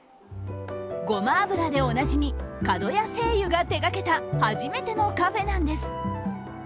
ごま油でおなじみ、かどや製油が手がけた初めてのカフェなんです。